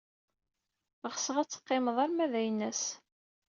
Ɣseɣ ad teqqimed arma d aynas.